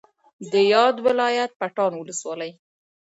د یاد ولایت پټان ولسوالۍ